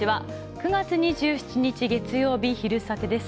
９月２７日月曜日、「昼サテ」です。